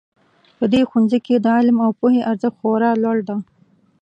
په دې ښوونځي کې د علم او پوهې ارزښت خورا لوړ ده